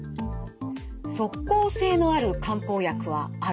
「即効性のある漢方薬はある？」。